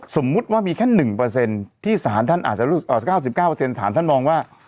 สมมุติว่ามีแค่๑ที่สารท่านอาจจะ๙๙สารท่านมองว่า